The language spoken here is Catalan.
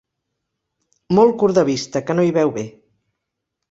Molt curt de vista, que no hi veu bé.